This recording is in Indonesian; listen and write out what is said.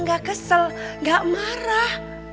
gak kesel gak marah